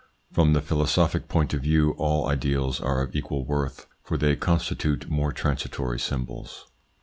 From the philosophic point of view all ideals are of equal worth, for they constitute more transitory symbols.